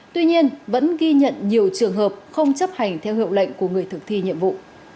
tuy nhiên vẫn ghi nhận nhiều trường hợp không chấp hành theo hiệu lệnh của người thực thi nhiệm vụ